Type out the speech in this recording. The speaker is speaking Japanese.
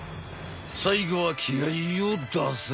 最後は気合いを出せ。